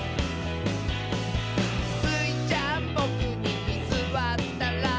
「スイちゃんボクにすわったら」